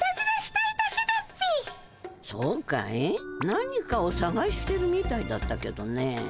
何かをさがしてるみたいだったけどね。